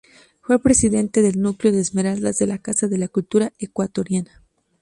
Fue presidente del Núcleo de Esmeraldas de la Casa de la Cultura Ecuatoriana.